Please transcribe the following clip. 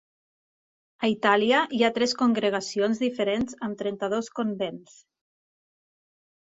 A Itàlia hi ha tres congregacions diferents amb trenta-dos convents.